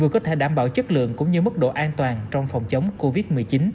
vừa có thể đảm bảo chất lượng cũng như mức độ an toàn trong phòng chống covid một mươi chín